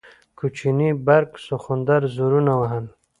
کوچني برګ سخوندر زورونه وهل.